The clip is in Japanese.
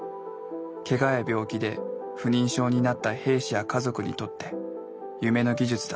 けがや病気で不妊症になった兵士や家族にとって夢の技術だった。